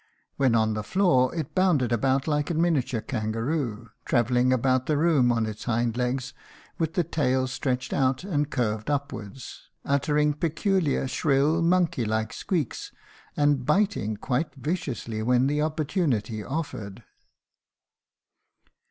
When on the floor it bounded about like a miniature kangaroo, traveling about the room on its hind legs with the tail stretched out and curved upward, uttering peculiar, shrill, monkeylike squeaks and biting quite viciously when the opportunity offered."